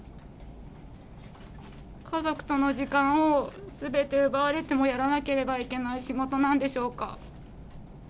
家族との時間をすべて奪われても、やらなければいけない仕事なんでしょうか。